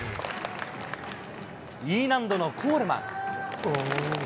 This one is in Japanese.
Ｅ難度のコールマン。